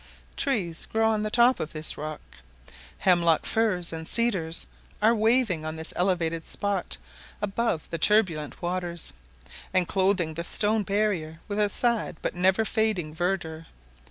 Trees grow on the top of this rock. Hemlock firs and cedars are waving on this elevated spot, above the turbulent waters, and clothing the stone barrier with a sad but never fading verdure.